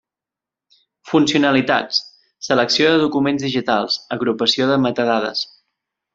Funcionalitats: selecció de documents digitals; agrupació de metadades.